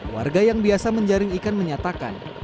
warga yang biasa menjaring ikan menyatakan